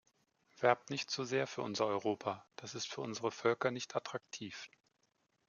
Werbt nicht zu sehr für Europa, das ist für unsere Völker nicht attraktiv.